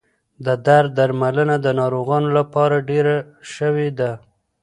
د درد درملنه د ناروغانو لپاره ډېره شوې ده.